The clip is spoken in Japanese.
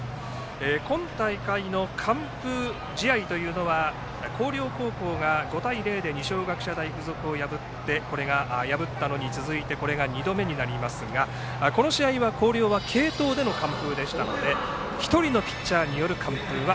今大会の完封試合というのは広陵高校が５対０で二松学舎大付属を破ったのに続きこれが２度目になりますが広陵は継投での完封でしたので１人のピッチャーの完封は